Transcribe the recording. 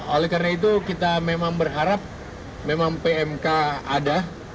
oleh karena itu kita memang berharap memang pmk ada